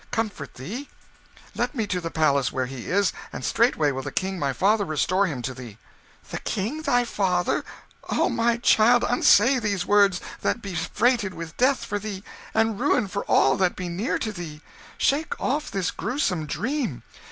Comfort thee: let me to the palace where he is, and straightway will the King my father restore him to thee." "The King thy father! Oh, my child! unsay these words that be freighted with death for thee, and ruin for all that be near to thee. Shake of this gruesome dream.